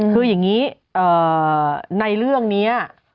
คืออย่างนี้ในเรื่องนี้